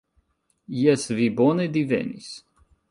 Jes, vi bone divenis!